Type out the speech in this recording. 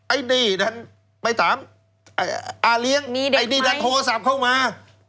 ไอ้นี่ดันไปถามอาเลี้ยงไอ้นี่ดันโทรศัพท์เข้ามา